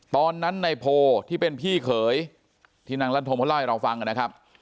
ตอนนั้นในโพที่เป็นพี่เขยที่นางลันทมเขาเล่าให้เราฟังนะครับ